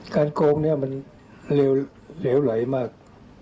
โกงเนี่ยมันเหลวไหลมาก